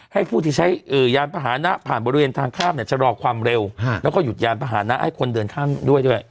ให้ผู้ที่ใช้ยานพาหนะผ่านบริเวณทางข้ามเนี่ยจะรอความเร็วแล้วก็หยุดยานพาหนะให้คนเดินข้ามด้วยด้วย